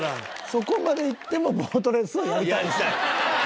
そこまで行ってもボートレースはやりたいんですね？